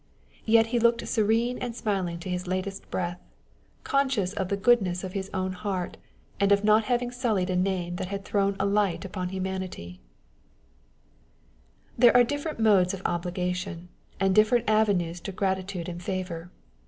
Yet he looked serene and smiling to his latest breath, conscious of the goodness of his own heart, and of not having sullied a name that had thrown a light upon humanity I There are different modes of obligation, and different avenues to our gratitude and favour.